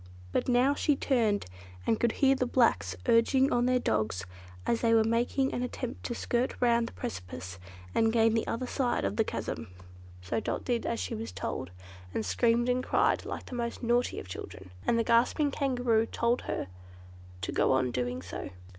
But now she turned, and could hear the blacks, urging on their dogs as they were making an attempt to skirt round the precipice, and gain the other side of the chasm. So Dot did as she was told, and screamed and cried like the most naughty of children; and the gasping Kangaroo told her to go on doing so.